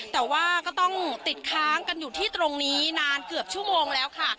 แต่ว่าก็ต้องติดค้างกันอยู่ที่ตรงนี้นานเกือบชั่วโมงแล้วค่ะ